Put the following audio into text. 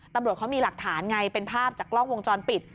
ตำรวจเขามีหลักฐานไงเป็นภาพจากกล้องวงจรปิด